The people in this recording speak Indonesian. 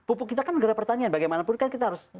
pupuk kita kan negara pertanian bagaimanapun kan kita harus